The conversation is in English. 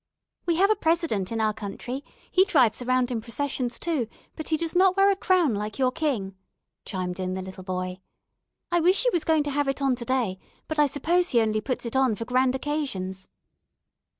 "We have a 'President' in our country; he drives around in processions, too, but he does not wear a crown like your king," chimed in the little boy. "I wish he was going to have it on to day, but I suppose he only puts it on for grand occasions."